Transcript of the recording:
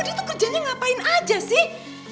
tuh kerjanya ngapain aja sih